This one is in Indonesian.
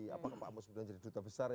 apakah pak musmud iman jadi duta besar